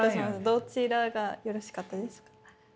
どちらがよろしかったですか？